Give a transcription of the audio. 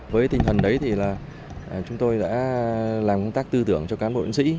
với tinh thần đấy thì là chúng tôi đã làm công tác tư tưởng cho cán bộ diễn sĩ